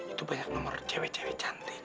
itu banyak nomor cewek cewek cantik